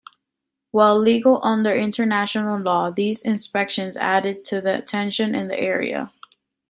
While legal under international law, these inspections added to the tensions in the area.